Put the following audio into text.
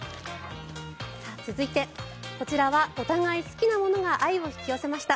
続いて、こちらはお互い好きなものが愛を引き寄せました。